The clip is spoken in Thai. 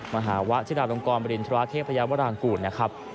มหาวะชิดาลงกรบริณฑราเทพยาวรางกูลนะครับ